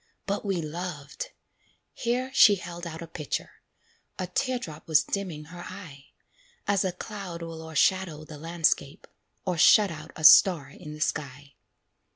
"But we loved" here she held out a picture; A tear drop was dimming her eye, As a cloud will o'ershadow the landscape, Or shut out a star in the sky.